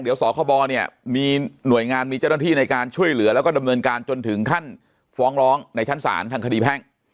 เดี๋ยวสคบเนี่ยมีหน่วยงานมีเจ้าหน้าที่ในการช่วยเหลือแล้วก็ดำเนินการจนถึงขั้นฟ้องร้องในชั้นศาลทางคดีแพ่ง